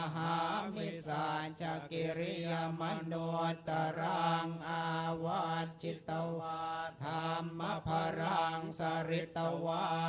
ฮามิสาชะกิริยามนวตรังอาวาทชิตวาธามพรางสริตวา